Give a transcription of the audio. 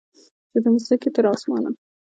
چې د مځکې تر اسمانه